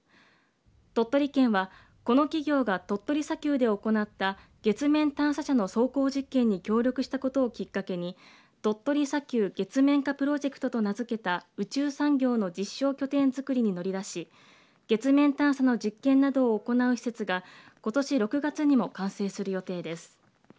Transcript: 鳥取県はこの企業が鳥取砂丘で行った月面探査車の走行実験に協力したことをきっかけに鳥取砂丘月面化プロジェクトと名付けた宇宙産業の実証拠点作りに乗り出し月面探査の実験などを行う施設がことし６月にも完成する予定です。